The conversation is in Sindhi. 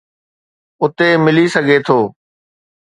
اتي ملي سگهي ٿو.